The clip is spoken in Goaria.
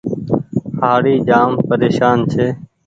هآڙي جآم پريشان ڇي۔